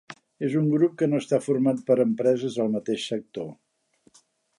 És un grup que no està format per empreses del mateix sector.